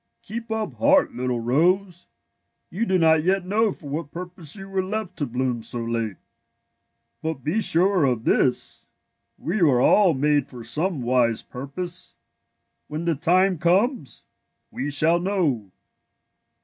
*^ Keep up heart, little rose. You do not yet know for w^hat purpose you were left to bloom so late. But be sure of this: we w^ere all made for some wise purpose. When the time comes, we shall know."